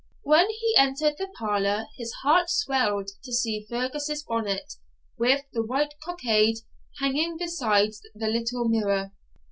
When he entered the parlour his heart swelled to see Fergus's bonnet, with the white cockade, hanging beside the little mirror.